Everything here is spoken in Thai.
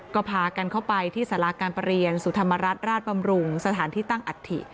ก็พากันเข้าไปที่สาราการประเรียนสุธรรมรัฐราชบำรุงสถานที่ตั้งอัฐิ